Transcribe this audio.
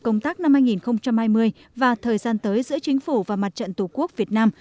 công tác năm hai nghìn hai mươi và thời gian tới giữa chính phủ và mặt trận tổ quốc việt nam